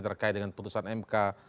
terkait dengan putusan mk